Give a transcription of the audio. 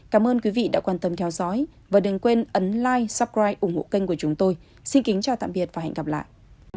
cảm ơn quý vị đã quan tâm theo dõi và đừng quên ấn lai suppride ủng hộ kênh của chúng tôi xin kính chào tạm biệt và hẹn gặp lại